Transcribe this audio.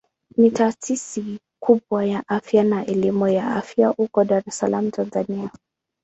Ni taasisi kubwa ya afya na elimu ya afya huko Dar es Salaam Tanzania.